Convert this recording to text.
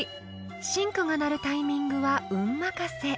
［シンクが鳴るタイミングは運任せ］